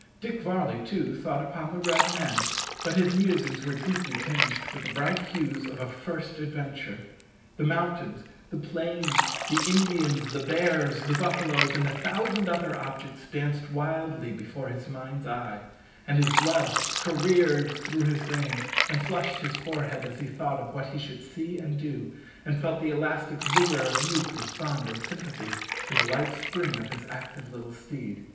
Dick Varley, too, thought upon the Red men, but his musings were deeply tinged with the bright hues of a first adventure. The mountains, the plains, the Indians, the bears, the buffaloes, and a thousand other objects, danced wildly before his mind's eye, and his blood careered through his veins and flushed his forehead as he thought of what he should see and do, and felt the elastic vigour of youth respond in sympathy to the light spring of his active little steed.